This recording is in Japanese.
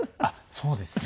そうですね。